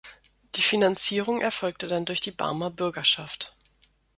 Die Finanzierung erfolgte dann durch die Barmer Bürgerschaft.